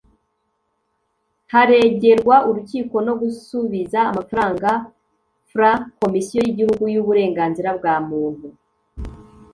Haregerwa urukiko no gusubiza amafaranga frw komisiyo y igihugu y uburenganzira bwa muntu